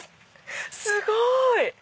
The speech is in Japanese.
すごい！